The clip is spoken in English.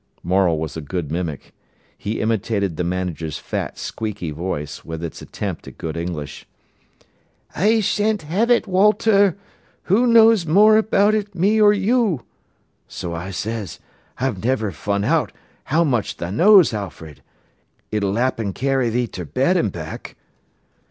Morel was a good mimic. He imitated the manager's fat, squeaky voice, with its attempt at good English. "'I shan't have it, Walter. Who knows more about it, me or you?' So I says, 'I've niver fun out how much tha' knows, Alfred. It'll 'appen carry thee ter bed an' back.